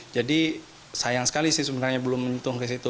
jadi sayang sekali sih sebenarnya belum menentung ke situ